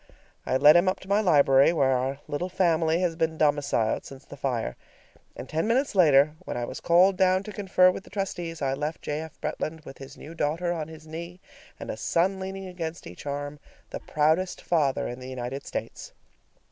I led him up to my library, where our little family has been domiciled since the fire, and ten minutes later, when I was called down to confer with the trustees, I left J. F. Bretland with his new daughter on his knee and a son leaning against each arm, the proudest father in the United States.